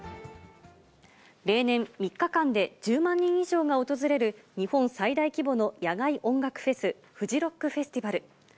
例年、３日間で１０万人以上が訪れる日本最大規模の野外音楽フェス、フジロックフェスティバル。